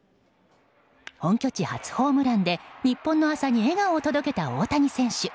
本拠地初ホームランで日本の朝に笑顔を届けた大谷選手。